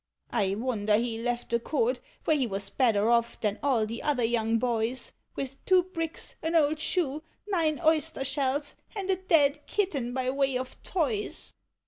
I wonder he left the court, where he was better off than all the other young boys. With two bricks, an old shoe, nine oyster shells, and a dead kitten by way of toys.